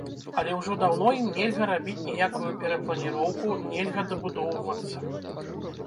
Але ўжо даўно ім нельга рабіць ніякую перапланіроўку, нельга дабудоўвацца.